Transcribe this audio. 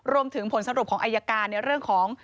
รวมถึงผลสรุปของอายการในเรื่องของ